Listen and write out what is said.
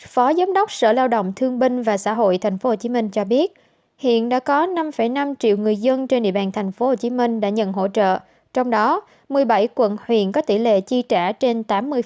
phó giám đốc sở lao động thương binh và xã hội tp hcm cho biết hiện đã có năm năm triệu người dân trên địa bàn tp hcm đã nhận hỗ trợ trong đó một mươi bảy quận huyện có tỷ lệ chi trả trên tám mươi